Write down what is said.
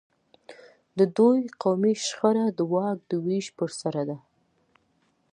د دوی قومي شخړه د واک د وېش پر سر ده.